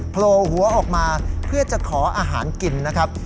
โผล่หัวออกมาเพื่อจะขออาหารกินนะครับ